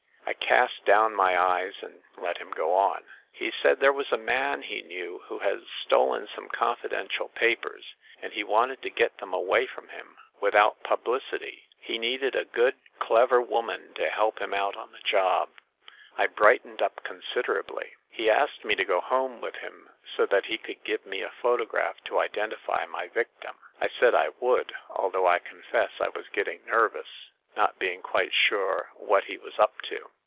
I cast down my eyes and let him go on. "He said there was a man he knew who had stolen some confidential papers, and he wanted to get them away from him without publicity. He needed a good 258 THE MASTER OF MYSTERIES clever woman to help him out on the job. I bright ened up considerably. He asked me to go home with him so that he could give me a photograph to identify my victim. I said I would; although I confess I was ^getting nervous, not being quite sure what he was up to.